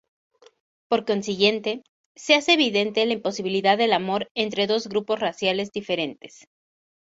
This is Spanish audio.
Por consiguiente, se hace evidente la imposibilidad del amor entre dos grupos raciales diferentes.